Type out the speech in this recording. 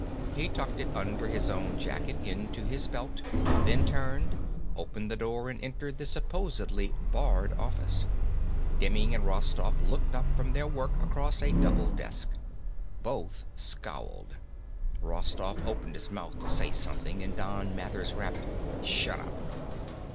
He tucked it under his own jacket into his belt, then turned, opened the door and entered the supposedly barred office. Demming and Rostoff looked up from their work across a double desk. Both scowled. Rostoff opened his mouth to say something and Don Mathers rapped, "Shut up."